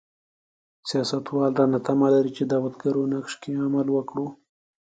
سیاستوال رانه تمه لري چې دعوتګرو نقش کې عمل وکړو.